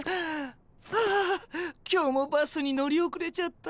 ああ今日もバスに乗り遅れちゃった。